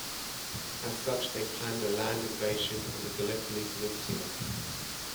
As such they planned a land invasion on the Gallipoli Peninsula.